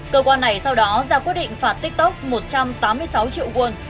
cơ quan này sau đó ra quyết định phạt tiktok một trăm tám mươi sáu triệu won